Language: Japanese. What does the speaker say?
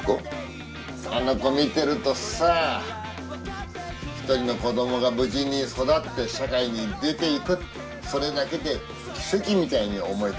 あの子見てるとさ１人の子供が無事に育って社会に出ていくそれだけで奇跡みたいに思えてくるのよね。